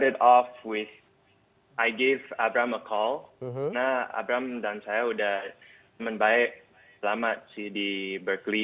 saya memberikan panggilan kepada abram karena abram dan saya sudah teman baik selama di berkeley